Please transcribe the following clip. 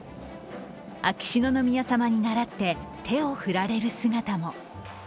秋篠宮さまにならって手を振られる姿も。